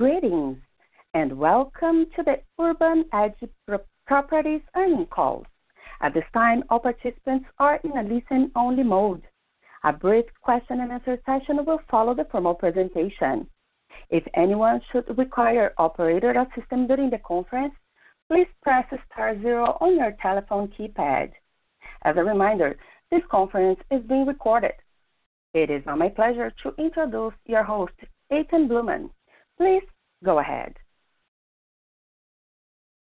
Greetings. Welcome to the Urban Edge Properties Earnings Call. At this time, all participants are in a listen-only mode. A brief question and answer session will follow the formal presentation. If anyone should require operator assistance during the conference, please press star zero on your telephone keypad. As a reminder, this conference is being recorded. It is now my pleasure to introduce your host, Etan Bluman. Please go ahead.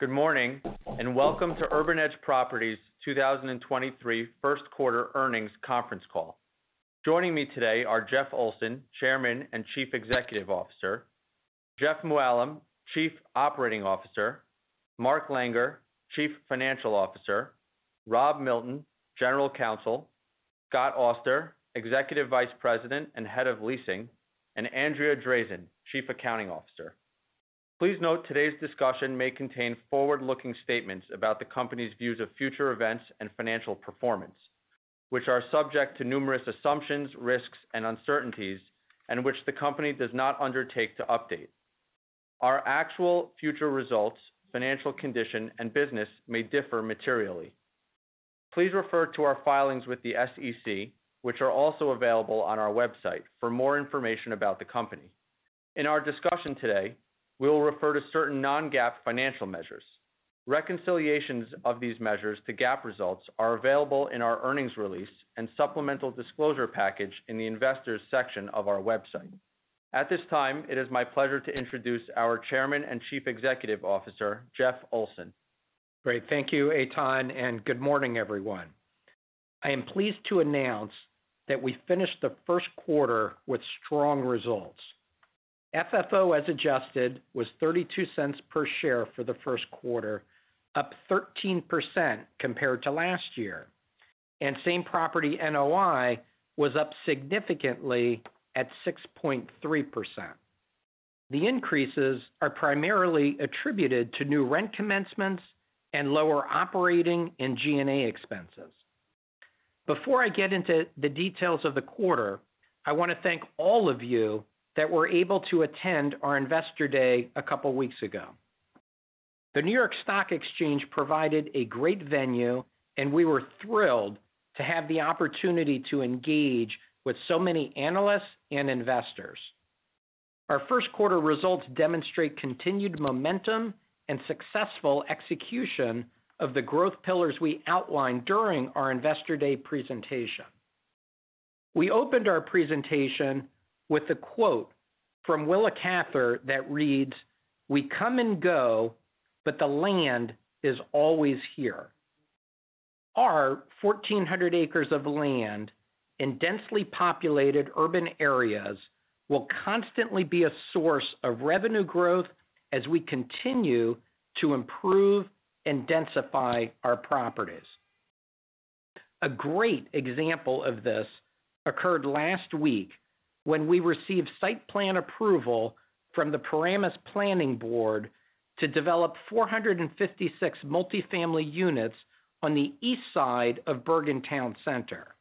Good morning, and welcome to Urban Edge Properties' 2023 first quarter earnings conference call. Joining me today are Jeff Olson, Chairman and Chief Executive Officer, Jeff Mooallem, Chief Operating Officer, Mark Langer, Chief Financial Officer, Rob Milton, General Counsel, Scott Auster, Executive Vice President and Head of Leasing, and Andrea Drazin, Chief Accounting Officer. Please note, today's discussion may contain forward-looking statements about the company's views of future events and financial performance, which are subject to numerous assumptions, risks, and uncertainties, and which the company does not undertake to update. Our actual future results, financial condition, and business may differ materially. Please refer to our filings with the SEC, which are also available on our website for more information about the company. In our discussion today, we will refer to certain non-GAAP financial measures. Reconciliations of these measures to GAAP results are available in our earnings release and supplemental disclosure package in the Investors section of our website. At this time, it is my pleasure to introduce our Chairman and Chief Executive Officer, Jeff Olson. Great. Thank you, Etan. Good morning, everyone. I am pleased to announce that we finished the first quarter with strong results. FFO as adjusted was $0.32 per share for the first quarter, up 13% compared to last year. Same property NOI was up significantly at 6.3%. The increases are primarily attributed to new rent commencements and lower operating and G&A expenses. Before I get into the details of the quarter, I want to thank all of you that were able to attend our Investor Day a couple weeks ago. The New York Stock Exchange provided a great venue, and we were thrilled to have the opportunity to engage with so many analysts and investors. Our first quarter results demonstrate continued momentum and successful execution of the growth pillars we outlined during our Investor Day presentation. We opened our presentation with a quote from Willa Cather that reads, "We come and go, but the land is always here." Our 1,400 acres of land in densely populated urban areas will constantly be a source of revenue growth as we continue to improve and densify our properties. A great example of this occurred last week when we received site plan approval from the Paramus Planning Board to develop 456 multifamily units on the east side of Bergen Town Center.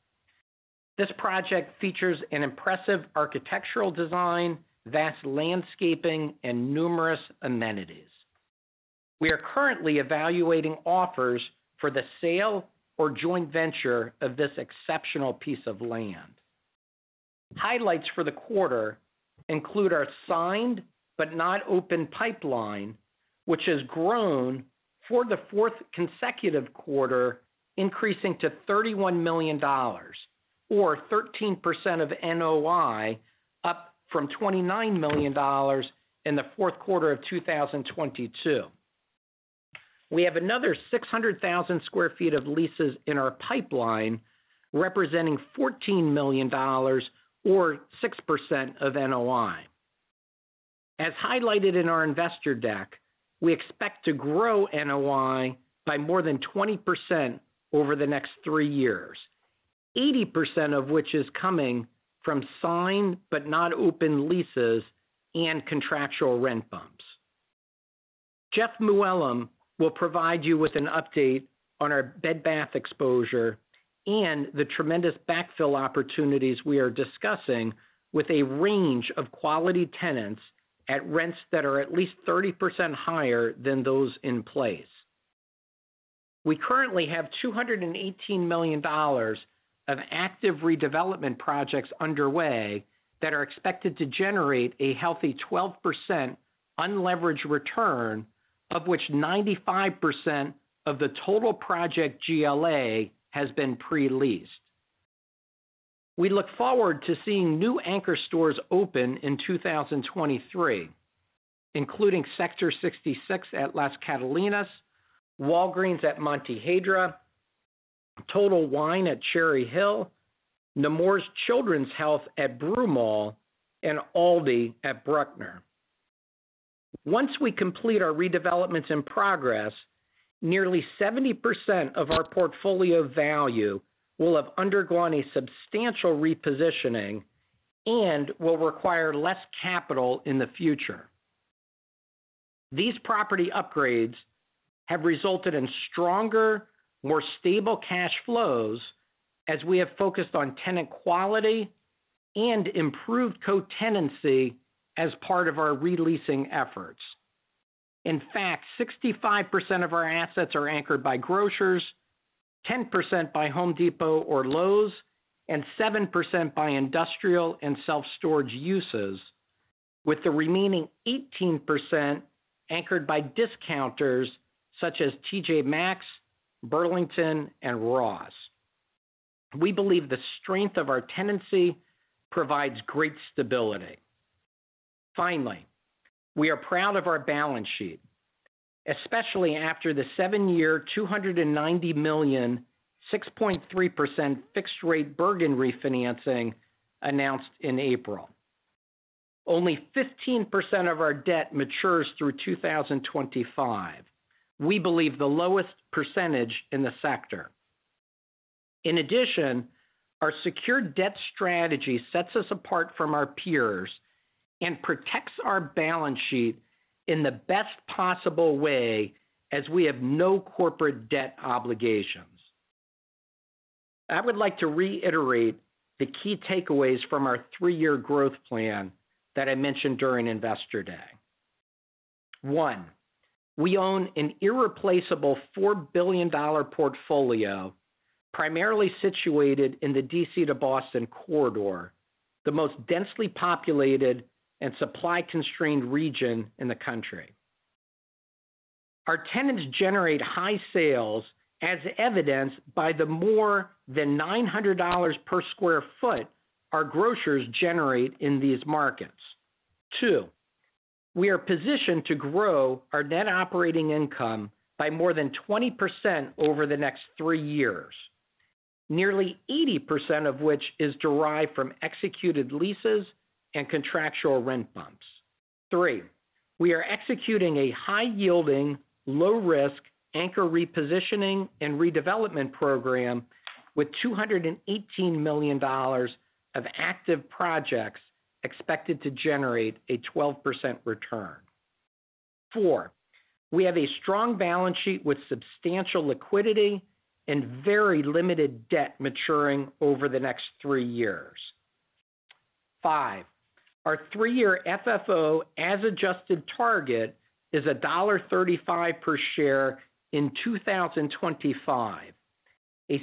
This project features an impressive architectural design, vast landscaping, and numerous amenities. We are currently evaluating offers for the sale or joint venture of this exceptional piece of land. Highlights for the quarter include our signed but not open pipeline, which has grown for the fourth consecutive quarter, increasing to $31 million or 13% of NOI, up from $29 million in the fourth quarter of 2022. We have another 600,000 sq ft of leases in our pipeline, representing $14 million or 6% of NOI. As highlighted in our investor deck, we expect to grow NOI by more than 20% over the next three years, 80% of which is coming from signed but not open leases and contractual rent bumps. Jeff Mooallem will provide you with an update on our Bed Bath exposure and the tremendous backfill opportunities we are discussing with a range of quality tenants at rents that are at least 30% higher than those in place. We currently have $218 million of active redevelopment projects underway that are expected to generate a healthy 12% unleveraged return, of which 95% of the total project GLA has been pre-leased. We look forward to seeing new anchor stores open in 2023, including Sector Sixty 6 at Las Catalinas, Walgreens at Montehiedra, Total Wine at Cherry Hill, Nemours Children's Health at Broomall Commons, and ALDI at Bruckner. Once we complete our redevelopments in progress, nearly 70% of our portfolio value will have undergone a substantial repositioning and will require less capital in the future. These property upgrades have resulted in stronger, more stable cash flows as we have focused on tenant quality and improved co-tenancy as part of our re-leasing efforts. 65% of our assets are anchored by grocers, 10% by Home Depot or Lowe's, and 7% by industrial and self-storage uses, with the remaining 18% anchored by discounters such as TJ Maxx, Burlington, and Ross. We believe the strength of our tenancy provides great stability. We are proud of our balance sheet, especially after the seven-year, $290 million, 6.3% fixed rate Bergen refinancing announced in April. Only 15% of our debt matures through 2025, we believe the lowest percentage in the sector. Our secured debt strategy sets us apart from our peers and protects our balance sheet in the best possible way as we have no corporate debt obligations. I would like to reiterate the key takeaways from our three-year growth plan that I mentioned during Investor Day. One, we own an irreplaceable $4 billion portfolio primarily situated in the D.C. to Boston corridor, the most densely populated and supply-constrained region in the country. Our tenants generate high sales as evidenced by the more than $900 per sq ft our grocers generate in these markets. Two, we are positioned to grow our net operating income by more than 20% over the next three years, nearly 80% of which is derived from executed leases and contractual rent bumps. Three, we are executing a high-yielding, low-risk anchor repositioning and redevelopment program with $218 million of active projects expected to generate a 12% return. Four, we have a strong balance sheet with substantial liquidity and very limited debt maturing over the next three years. Five, our three year FFO as adjusted target is $1.35 per share in 2025, a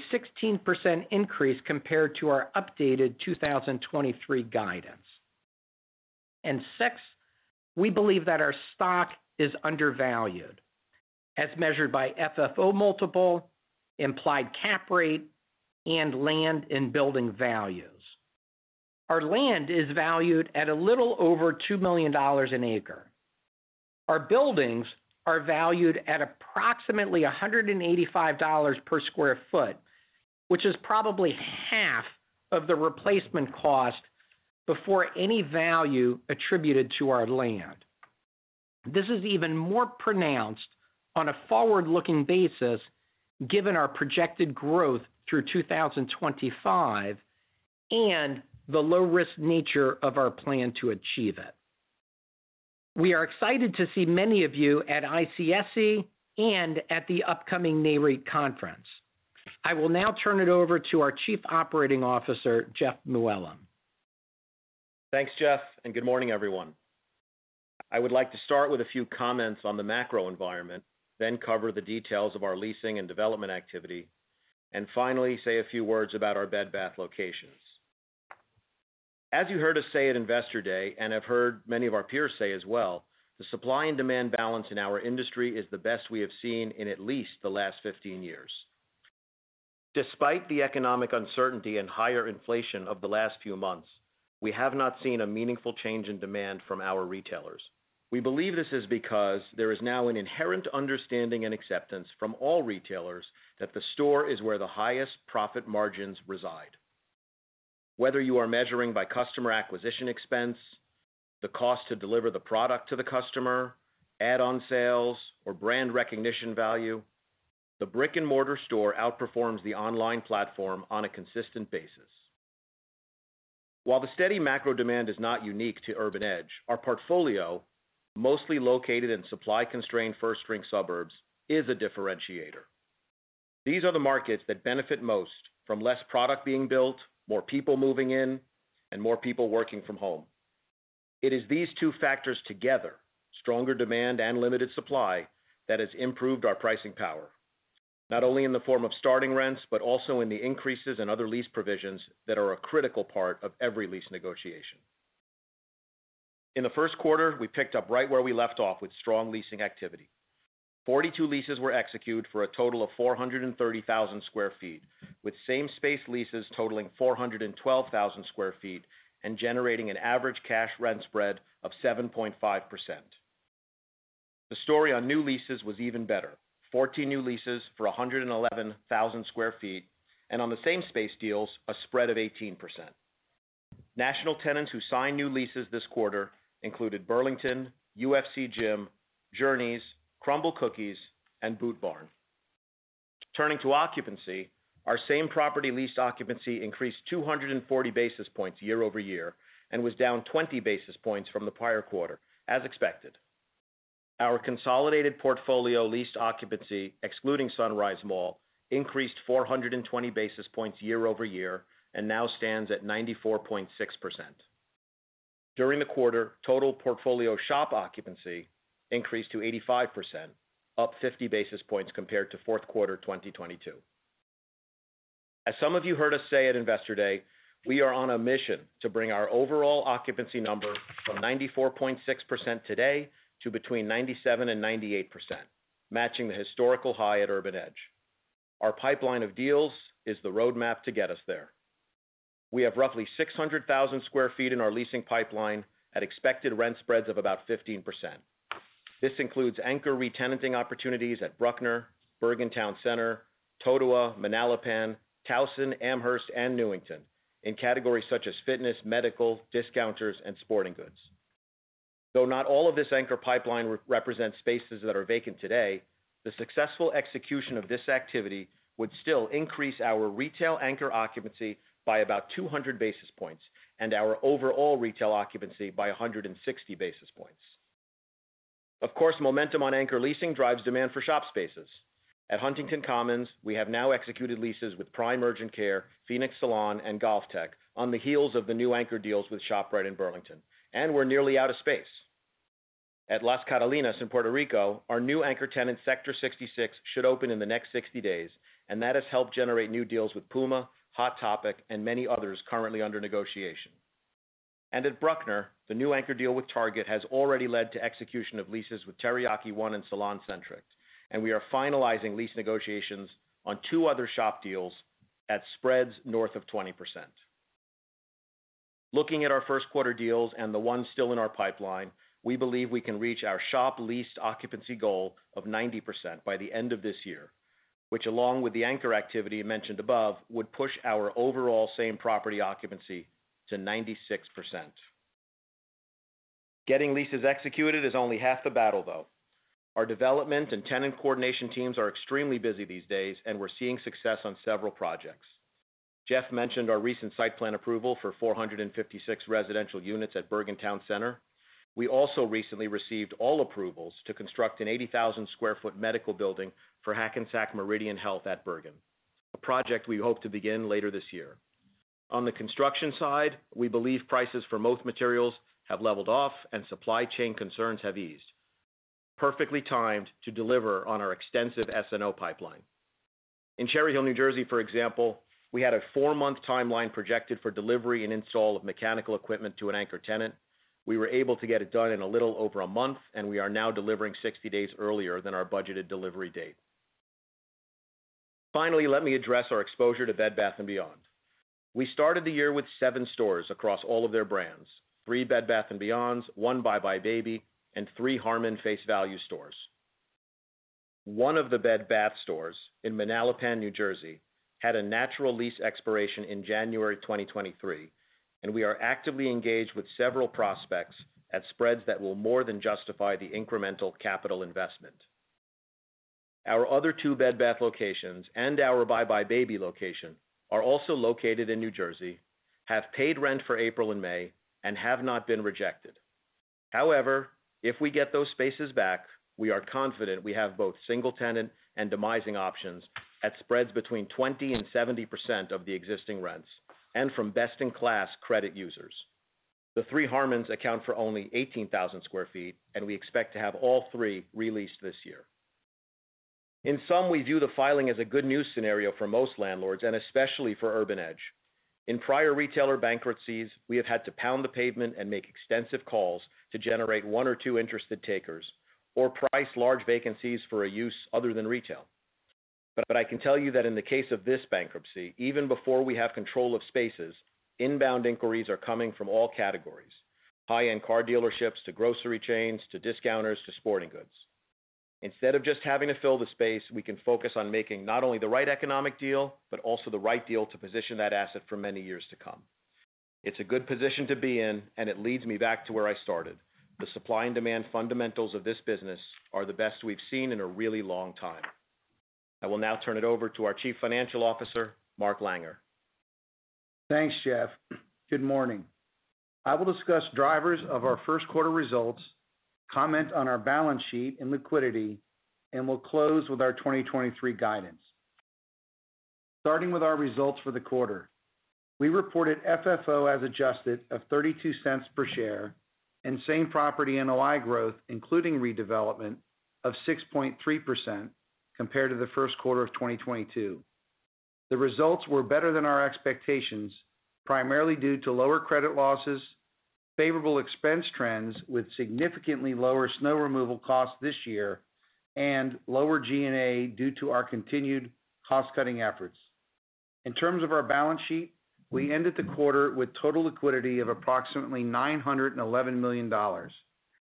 16% increase compared to our updated 2023 guidance. six, we believe that our stock is undervalued as measured by FFO multiple, implied cap rate, and land and building values. Our land is valued at a little over $2 million an acre. Our buildings are valued at approximately $185 per square foot, which is probably half of the replacement cost before any value attributed to our land. This is even more pronounced on a forward-looking basis given our projected growth through 2025 and the low-risk nature of our plan to achieve it. We are excited to see many of you at ICSC and at the upcoming Nareit conference. I will now turn it over to our Chief Operating Officer, Jeff Mooallem. Thanks, Jeff, and good morning, everyone. I would like to start with a few comments on the macro environment, then cover the details of our leasing and development activity, and finally, say a few words about our Bed Bath locations. As you heard us say at Investor Day and have heard many of our peers say as well, the supply and demand balance in our industry is the best we have seen in at least the last 15 years. Despite the economic uncertainty and higher inflation of the last few months, we have not seen a meaningful change in demand from our retailers. We believe this is because there is now an inherent understanding and acceptance from all retailers that the store is where the highest profit margins reside. Whether you are measuring by customer acquisition expense, the cost to deliver the product to the customer, add-on sales, or brand recognition value, the brick-and-mortar store outperforms the online platform on a consistent basis. While the steady macro demand is not unique to Urban Edge, our portfolio, mostly located in supply-constrained first-string suburbs, is a differentiator. These are the markets that benefit most from less product being built, more people moving in, and more people working from home. It is these two factors together, stronger demand and limited supply, that has improved our pricing power, not only in the form of starting rents, but also in the increases in other lease provisions that are a critical part of every lease negotiation. In the first quarter, we picked up right where we left off with strong leasing activity. 42 leases were executed for a total of 430,000 sq ft, with same space leases totaling 412,000 square feet and generating an average cash rent spread of 7.5%. The story on new leases was even better. 14 new leases for 111,000 square feet, and on the same space deals, a spread of 18%. National tenants who signed new leases this quarter included Burlington, UFC GYM, Journeys, Crumbl Cookies, and Boot Barn. Turning to occupancy, our same-property leased occupancy increased 240 basis points year-over-year and was down 20 basis points from the prior quarter, as expected. Our consolidated portfolio leased occupancy, excluding Sunrise Mall, increased 420 basis points year-over-year and now stands at 94.6%. During the quarter, total portfolio shop occupancy increased to 85%, up 50 basis points compared to fourth quarter 2022. As some of you heard us say at Investor Day, we are on a mission to bring our overall occupancy number from 94.6% today to between 97% and 98%, matching the historical high at Urban Edge. Our pipeline of deals is the roadmap to get us there. We have roughly 600,000 square feet in our leasing pipeline at expected rent spreads of about 15%. This includes anchor retenanting opportunities at Bruckner, Bergen Town Center, Totowa, Manalapan, Towson, Amherst and Newington in categories such as fitness, medical, discounters, and sporting goods. Though not all of this anchor pipeline re-represents spaces that are vacant today, the successful execution of this activity would still increase our retail anchor occupancy by about 200 basis points and our overall retail occupancy by 160 basis points. Of course, momentum on anchor leasing drives demand for shop spaces. At Huntington Commons, we have now executed leases with Prime Urgent Care, Phenix Salon and GOLFTEC on the heels of the new anchor deals with ShopRite and Burlington, and we're nearly out of space. At Las Catalinas in Puerto Rico, our new anchor tenant, Sector Sixty6, should open in the next 60 days, and that has helped generate new deals with PUMA, Hot Topic and many others currently under negotiation. At Bruckner, the new anchor deal with Target has already led to execution of leases with Teriyaki One and SalonCentric, We are finalizing lease negotiations on two other shop deals at spreads north of 20%. Looking at our first quarter deals and the ones still in our pipeline, we believe we can reach our shop leased occupancy goal of 90% by the end of this year, which, along with the anchor activity mentioned above, would push our overall same property occupancy to 96%. Getting leases executed is only half the battle, though. Our development and tenant coordination teams are extremely busy these days, We're seeing success on several projects. Jeff mentioned our recent site plan approval for 456 residential units at Bergen Town Center. We also recently received all approvals to construct an 80,000 sq ft medical building for Hackensack Meridian Health at Bergen, a project we hope to begin later this year. On the construction side, we believe prices for most materials have leveled off and supply chain concerns have eased, perfectly timed to deliver on our extensive SNO pipeline. In Cherry Hill, New Jersey, for example, we had a four-month timeline projected for delivery and install of mechanical equipment to an anchor tenant. We were able to get it done in a little over a month. We are now delivering 60 days earlier than our budgeted delivery date. Finally, let me address our exposure to Bed Bath & Beyond. We started the year with seven stores across all of their brands: Bed Bath & Beyond, one buybuy BABY, and three Harmon Face Values stores. One of the Bed Bath stores in Manalapan, New Jersey, had a natural lease expiration in January 2023. We are actively engaged with several prospects at spreads that will more than justify the incremental capital investment. Our other two Bed Bath locations and our buybuy BABY location are also located in New Jersey, have paid rent for April and May and have not been rejected. If we get those spaces back, we are confident we have both single tenant and demising options at spreads between 20% and 70% of the existing rents and from best in class credit users. The three Harmons account for only 18,000 square feet, we expect to have all three re-leased this year. In sum, we view the filing as a good news scenario for most landlords, and especially for Urban Edge. In prior retailer bankruptcies, we have had to pound the pavement and make extensive calls to generate one or two interested takers or price large vacancies for a use other than retail. I can tell you that in the case of this bankruptcy, even before we have control of spaces, inbound inquiries are coming from all categories, high-end car dealerships to grocery chains to discounters to sporting goods. Instead of just having to fill the space, we can focus on making not only the right economic deal, but also the right deal to position that asset for many years to come. It's a good position to be in. It leads me back to where I started. The supply and demand fundamentals of this business are the best we've seen in a really long time. I will now turn it over to our Chief Financial Officer, Mark Langer. Thanks, Jeff. Good morning. I will discuss drivers of our first quarter results, comment on our balance sheet and liquidity, and we'll close with our 2023 guidance. Starting with our results for the quarter. We reported FFO as adjusted of $0.32 per share and same-property NOI growth, including redevelopment of 6.3% compared to the first quarter of 2022. The results were better than our expectations, primarily due to lower credit losses, favorable expense trends with significantly lower snow removal costs this year, and lower G&A due to our continued cost-cutting efforts. In terms of our balance sheet, we ended the quarter with total liquidity of approximately $911 million,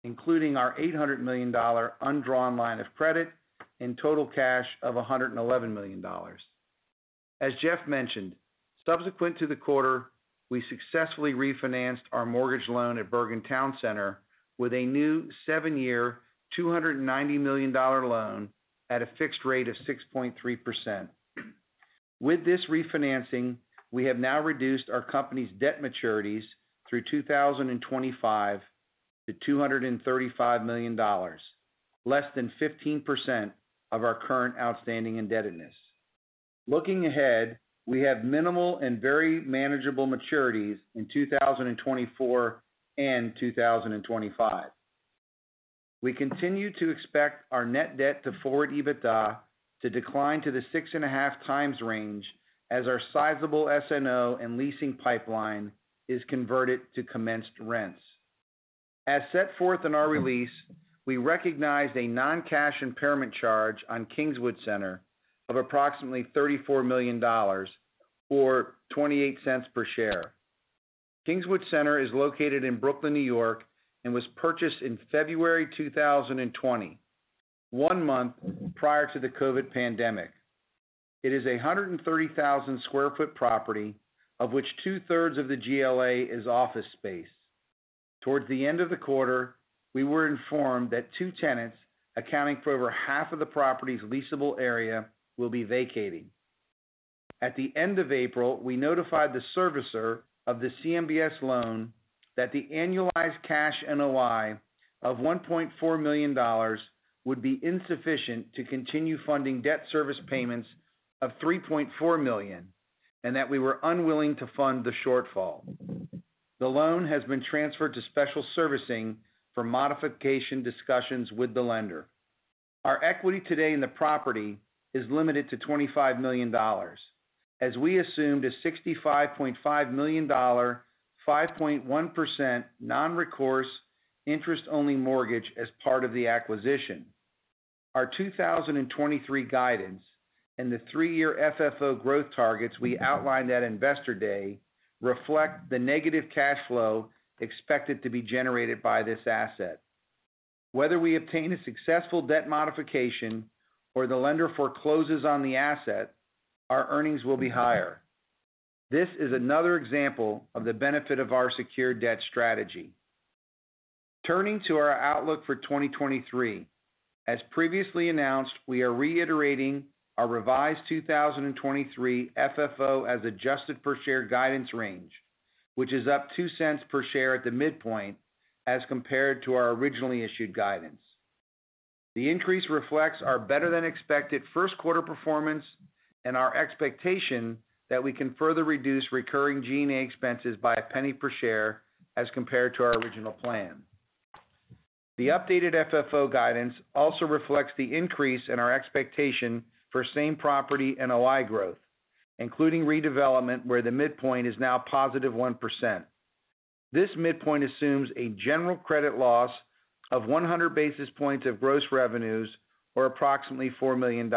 including our $800 million undrawn line of credit and total cash of $111 million. As Jeff mentioned, subsequent to the quarter, we successfully refinanced our mortgage loan at Bergen Town Center with a new seven-year, $290 million loan at a fixed rate of 6.3%. With this refinancing, we have now reduced our company's debt maturities through 2025 to $235 million, less than 15% of our current outstanding indebtedness. Looking ahead, we have minimal and very manageable maturities in 2024 and 2025. We continue to expect our net debt to forward EBITDA to decline to the 6.5 times range as our sizable SNO and leasing pipeline is converted to commenced rents. As set forth in our release, we recognized a non-cash impairment charge on Kingswood Center of approximately $34 million or $0.28 per share. Kingswood Center is located in Brooklyn, New York, and was purchased in February 2020, one month prior to the COVID pandemic. It is a 130,000 square foot property, of which two-thirds of the GLA is office space. Towards the end of the quarter, we were informed that two tenants accounting for over half of the property's leasable area will be vacating. At the end of April, we notified the servicer of the CMBS loan that the annualized cash NOI of $1.4 million would be insufficient to continue funding debt service payments of $3.4 million, and that we were unwilling to fund the shortfall. The loan has been transferred to special servicing for modification discussions with the lender. Our equity today in the property is limited to $25 million as we assumed a $65.5 million, 5.1% non-recourse interest-only mortgage as part of the acquisition. Our 2023 guidance and the three-year FFO growth targets we outlined at Investor Day reflect the negative cash flow expected to be generated by this asset. Whether we obtain a successful debt modification or the lender forecloses on the asset, our earnings will be higher. This is another example of the benefit of our secured debt strategy. Turning to our outlook for 2023. As previously announced, we are reiterating our revised 2023 FFO as adjusted per share guidance range, which is up $0.02 per share at the midpoint as compared to our originally issued guidance. The increase reflects our better-than-expected first quarter performance and our expectation that we can further reduce recurring G&A expenses by $0.01 per share as compared to our original plan. The updated FFO guidance also reflects the increase in our expectation for same property NOI growth, including redevelopment, where the midpoint is now +1%. This midpoint assumes a general credit loss of 100 basis points of gross revenues, or approximately $4 million.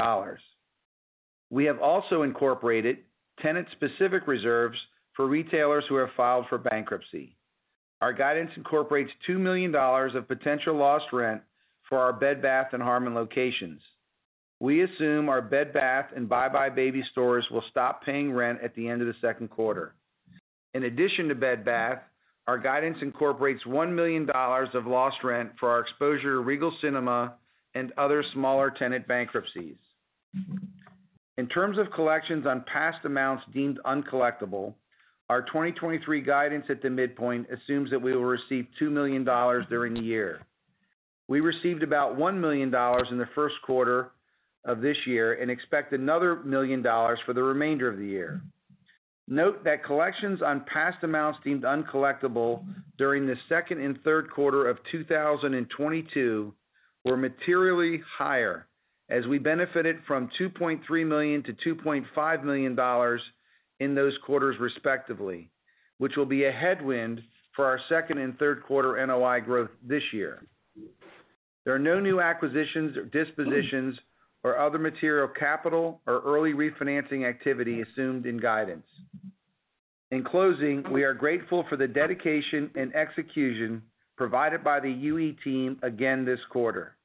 We have also incorporated tenant-specific reserves for retailers who have filed for bankruptcy. Our guidance incorporates $2 million of potential lost rent for our Bed Bath & Harmon locations. We assume our Bed Bath and buybuy BABY stores will stop paying rent at the end of the second quarter. In addition to Bed Bath, our guidance incorporates $1 million of lost rent for our exposure to Regal Cinemas and other smaller tenant bankruptcies. In terms of collections on past amounts deemed uncollectible, our 2023 guidance at the midpoint assumes that we will receive $2 million during the year. We received about $1 million in the first quarter of this year and expect another $1 million for the remainder of the year. Note that collections on past amounts deemed uncollectible during the second and third quarter of 2022 were materially higher as we benefited from $2.3 million-$2.5 million in those quarters, respectively, which will be a headwind for our second and third quarter NOI growth this year. There are no new acquisitions or dispositions or other material capital or early refinancing activity assumed in guidance. In closing, we are grateful for the dedication and execution provided by the UE team again this quarter.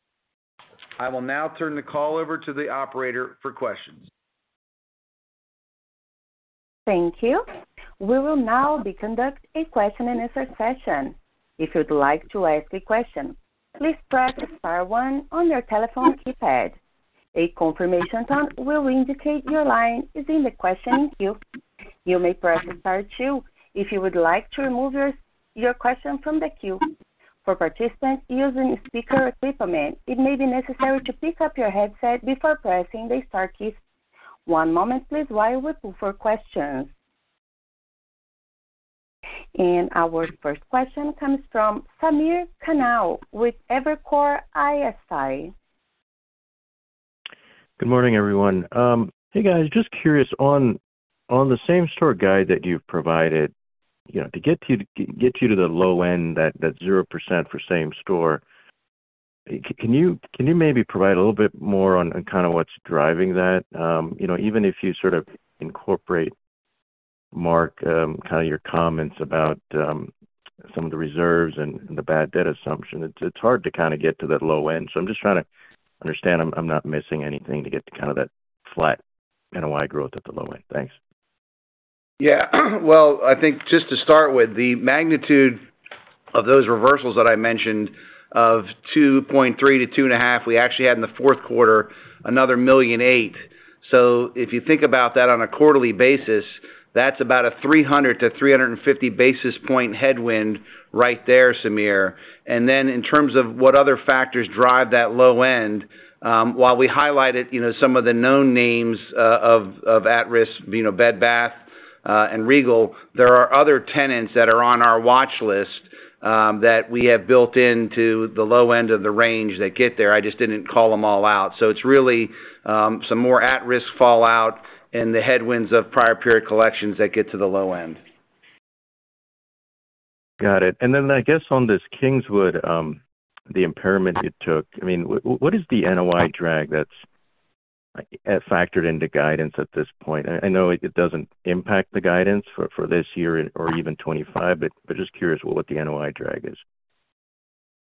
I will now turn the call over to the operator for questions. Thank you. We will now be conduct a question and answer session. If you'd like to ask a question, please press star one on your telephone keypad. A confirmation tone will indicate your line is in the question queue. You may press star two if you would like to remove your question from the queue. For participants using speaker equipment, it may be necessary to pick up your headset before pressing the star keys. One moment please, while we look for questions. Our first question comes from Sameer Kanal with Evercore ISI. Good morning, everyone. Hey, guys. Just curious on the same-store guide that you've provided, you know, to get you to the low end, that 0% for same store, can you maybe provide a little bit more on kind of what's driving that? You know, even if you sort of incorporate Mark, kind of your comments about some of the reserves and the bad debt assumption. It's hard to kind of get to that low end. I'm just trying to understand I'm not missing anything to get to kind of that flat NOI growth at the low end. Thanks. Yeah. Well, I think just to start with the magnitude of those reversals that I mentioned of $2.3 million to two and a half million, we actually had in the fourth quarter, another $1.8 million. If you think about that on a quarterly basis, that's about a 300-350 basis point headwind right there, Sameer. In terms of what other factors drive that low end, while we highlighted, you know, some of the known names of at-risk, you know, Bed Bath and Regal, there are other tenants that are on our watch list that we have built into the low end of the range that get there, I just didn't call them all out. It's really some more at-risk fallout and the headwinds of prior period collections that get to the low end. Got it. Then I guess on this Kingswood, the impairment it took. I mean, what is the NOI drag that's factored into guidance at this point? I know it doesn't impact the guidance for this year or even 2025, but just curious what the NOI drag is.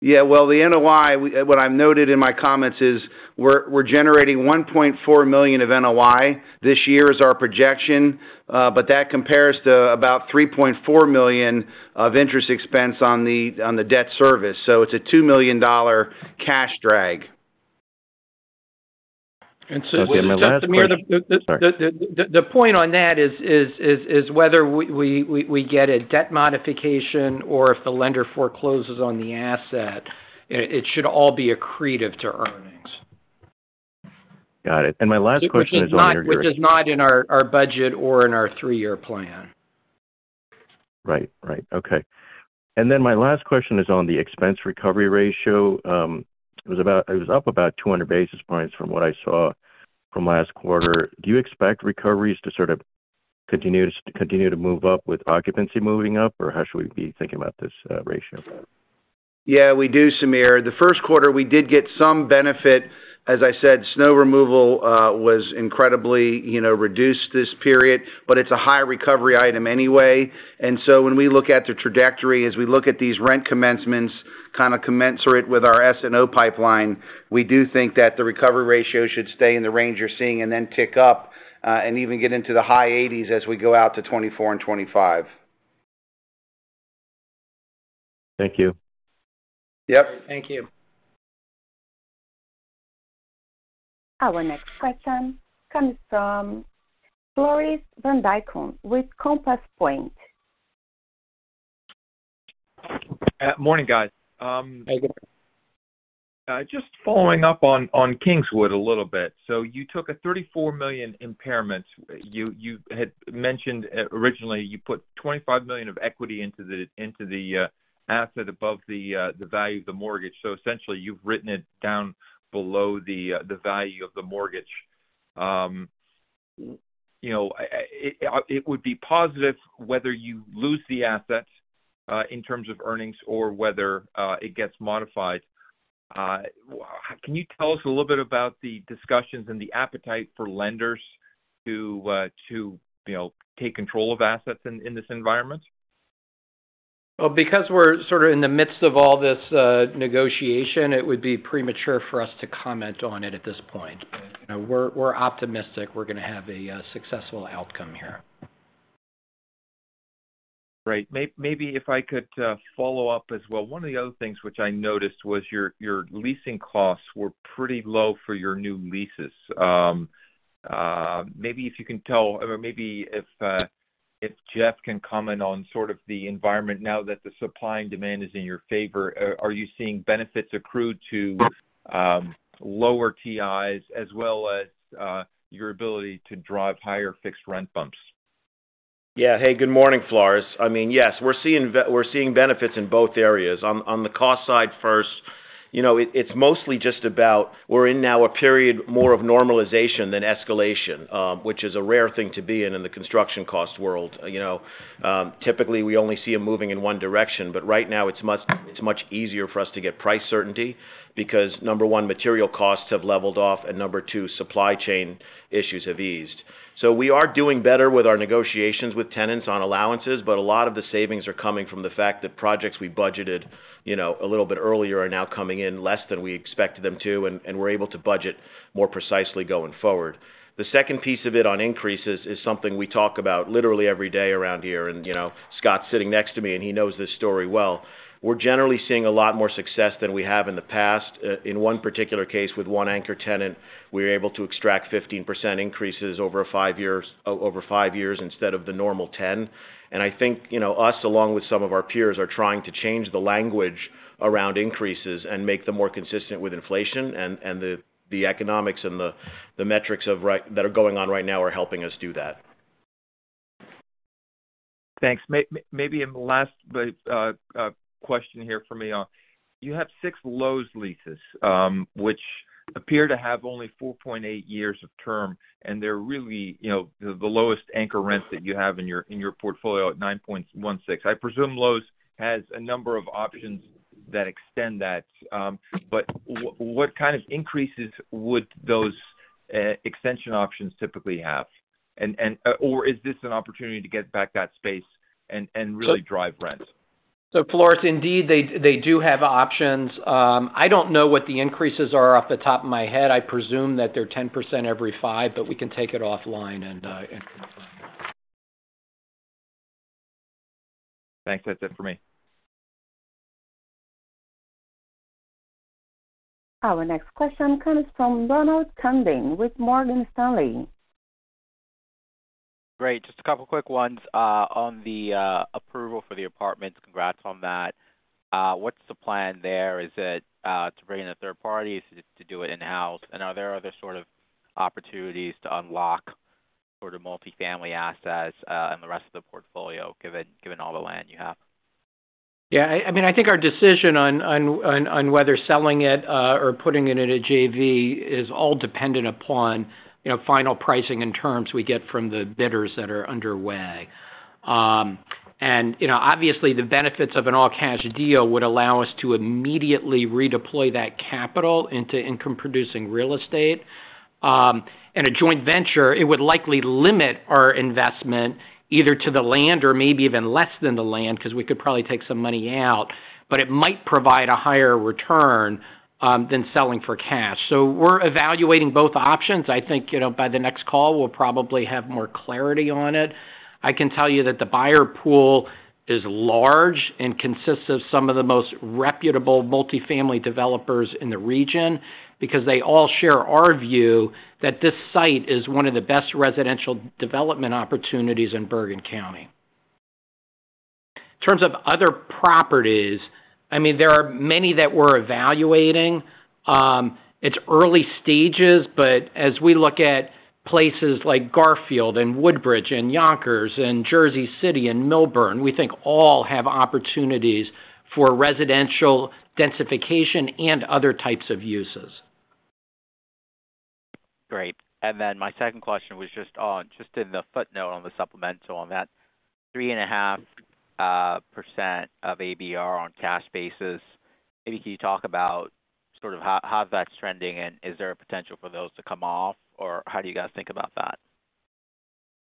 Yeah. Well, the NOI, what I've noted in my comments is we're generating $1.4 million of NOI this year is our projection. That compares to about $3.4 million of interest expense on the debt service. It's a $2 million cash drag. And so- And so Sameer- Okay. My last question. Sorry. The point on that is whether we get a debt modification or if the lender forecloses on the asset, it should all be accretive to earnings. Got it. My last question is on your-... Which is not in our budget or in our three-year plan. Right. Right. Okay. Then my last question is on the expense recovery ratio. It was up about 200 basis points from what I saw from last quarter. Do you expect recoveries to sort of continue to move up with occupancy moving up? Or how should we be thinking about this ratio? Yeah, we do Sameer. The first quarter, we did get some benefit. As I said, snow removal, you know, was incredibly reduced this period, but it's a high recovery item anyway. When we look at the trajectory, as we look at these rent commencements kinda commensurate with our SNO pipeline, we do think that the recovery ratio should stay in the range you're seeing and then tick up, and even get into the high 80s as we go out to 2024 and 2025. Thank you. Yep. Thank you. Our next question comes from Floris van Dijkum with Compass Point. Morning, guys. Hey, good morning. Just following up on Kingswood a little bit. You took a $34 million impairment. You had mentioned originally you put $25 million of equity into the asset above the value of the mortgage. Essentially, you've written it down below the value of the mortgage. you know, it would be positive whether you lose the asset in terms of earnings or whether it gets modified. can you tell us a little bit about the discussions and the appetite for lenders to, you know, take control of assets in this environment? Well, because we're sort of in the midst of all this, negotiation, it would be premature for us to comment on it at this point. You know, we're optimistic we're gonna have a successful outcome here. Right. Maybe if I could, follow up as well. One of the other things which I noticed was your leasing costs were pretty low for your new leases. Maybe if you can tell or maybe if Jeff can comment on sort of the environment now that the supply and demand is in your favor, are you seeing benefits accrued to lower TIs as well as your ability to drive higher fixed rent bumps? Hey, good morning, Floris. I mean, yes, we're seeing benefits in both areas. On the cost side first, you know, it's mostly just about we're in now a period more of normalization than escalation, which is a rare thing to be in in the construction cost world. You know, typically, we only see them moving in one direction, right now, it's much easier for us to get price certainty because number one material costs have leveled off, and number two, supply chain issues have eased. We are doing better with our negotiations with tenants on allowances, a lot of the savings are coming from the fact that projects we budgeted, you know, a little bit earlier are now coming in less than we expected them to, and we're able to budget more precisely going forward. The second piece of it on increases is something we talk about literally every day around here. You know, Scott's sitting next to me, and he knows this story well. We're generally seeing a lot more success than we have in the past. In one particular case with one anchor tenant, we're able to extract 15% increases over five years instead of the normal ten. I think, you know, us, along with some of our peers, are trying to change the language around increases and make them more consistent with inflation and, the economics and the metrics that are going on right now are helping us do that. Thanks. Maybe in the last question here for me. You have six Lowe's leases, which appear to have only 4.8 years of term, and they're really, you know, the lowest anchor rents that you have in your portfolio at $9.16. I presume Lowe's has a number of options that extend that, but what kind of increases would those extension options typically have? Or is this an opportunity to get back that space and really drive rent? Floris, indeed, they do have options. I don't know what the increases are off the top of my head. I presume that they're 10% every five, we can take it offline and. Thanks. That's it for me. Our next question comes from Ronald Kamdem with Morgan Stanley. Great. Just a couple quick ones. On the approval for the apartments, congrats on that. What's the plan there? Is it to bring in a third party? Is it to do it in-house? Are there other sort of opportunities to unlock sort of multi-family assets, and the rest of the portfolio, given all the land you have? Yeah, I mean, I think our decision on whether selling it or putting it in a JV is all dependent upon, you know, final pricing and terms we get from the bidders that are underway. You know, obviously the benefits of an all-cash deal would allow us to immediately redeploy that capital into income-producing real estate. A joint venture, it would likely limit our investment either to the land or maybe even less than the land, because we could probably take some money out, but it might provide a higher return than selling for cash. We're evaluating both options. I think, you know, by the next call, we'll probably have more clarity on it. I can tell you that the buyer pool is large and consists of some of the most reputable multifamily developers in the region because they all share our view that this site is one of the best residential development opportunities in Bergen County. In terms of other properties, I mean, there are many that we're evaluating. It's early stages, but as we look at places like Garfield and Woodbridge and Yonkers and Jersey City and Millburn, we think all have opportunities for residential densification and other types of uses. Great. My second question was just on, just in the footnote on the supplemental, on that 3.5% of ABR on cash basis. Maybe can you talk about sort of how that's trending, and is there a potential for those to come off, or how do you guys think about that?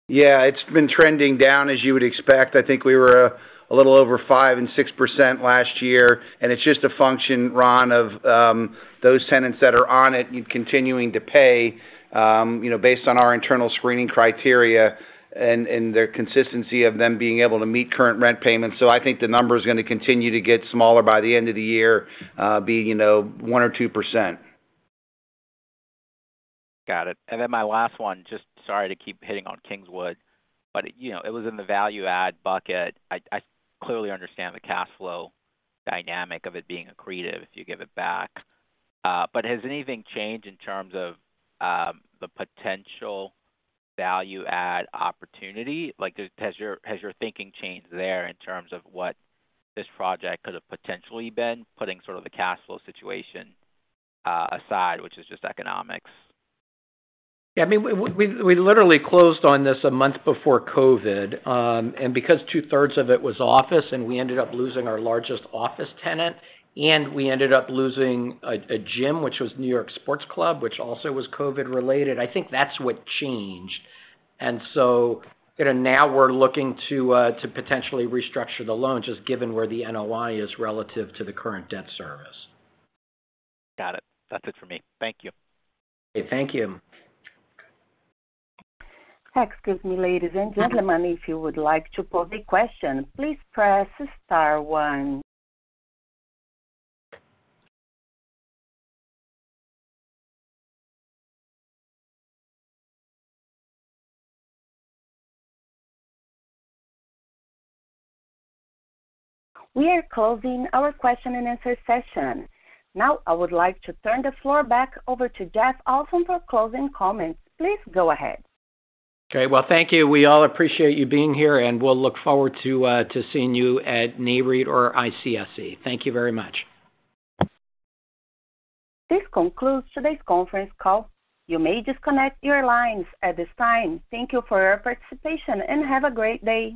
Yeah, it's been trending down, as you would expect. I think we were a little over 5% and 6% last year. It's just a function, Ron, of those tenants that are on it continuing to pay, you know, based on our internal screening criteria and their consistency of them being able to meet current rent payments. I think the number is gonna continue to get smaller by the end of the year, be, you know, 1% or 2%. Got it. My last one, just sorry to keep hitting on Kingswood, but, you know, it was in the value add bucket. I clearly understand the cash flow dynamic of it being accretive if you give it back. Has anything changed in terms of the potential value add opportunity? Like, has your thinking changed there in terms of what this project could have potentially been, putting sort of the cash flow situation, aside, which is just economics? I mean, we literally closed on this a month before COVID. Because two-thirds of it was office and we ended up losing our largest office tenant and we ended up losing a gym, which was New York Sports Club, which also was COVID-related, I think that's what changed. You know, now we're looking to potentially restructure the loan, just given where the NOI is relative to the current debt service. Got it. That's it for me. Thank you. Okay. Thank you. Excuse me, ladies and gentlemen. If you would like to pose a question, please press star one. We are closing our question and answer session. Now, I would like to turn the floor back over to Jeff Olson for closing comments. Please go ahead. Okay. Well, thank you. We all appreciate you being here, and we'll look forward to seeing you at Nareit or ICSC. Thank you very much. This concludes today's conference call. You may disconnect your lines at this time. Thank you for your participation, and have a great day.